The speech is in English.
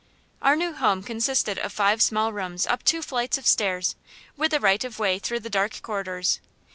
Our new home consisted of five small rooms up two flights of stairs, with the right of way through the dark corridors.